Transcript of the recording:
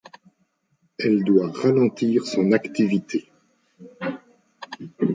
Elle doit ralentir son activité.